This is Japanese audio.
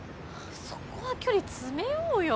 そこは距離詰めようよ。